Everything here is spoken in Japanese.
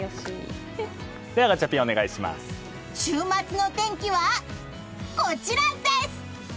週末の天気は、こちらです！